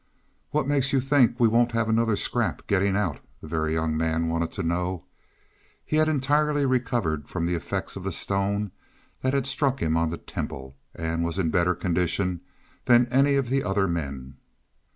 "What makes you think we won't have another scrap getting out?" the Very Young Man wanted to know. He had entirely recovered from the effects of the stone that had struck him on the temple, and was in better condition than any of the other men.